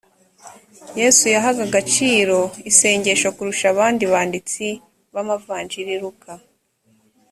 yesu yahaga agaciro isengesho kurusha abandi banditsi b amavanjiri luka